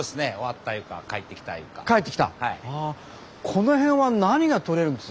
この辺は何が取れるんです？